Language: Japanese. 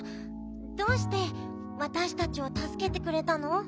どうしてわたしたちをたすけてくれたの？